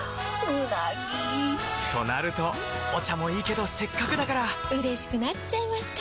うなぎ！となるとお茶もいいけどせっかくだからうれしくなっちゃいますか！